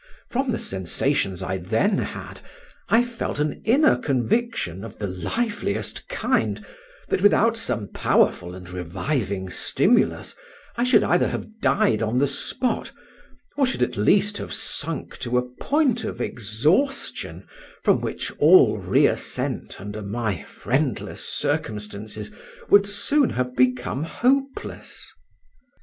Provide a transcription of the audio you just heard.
From the sensations I then had, I felt an inner conviction of the liveliest kind, that without some powerful and reviving stimulus I should either have died on the spot, or should at least have sunk to a point of exhaustion from which all reäscent under my friendless circumstances would soon have become hopeless.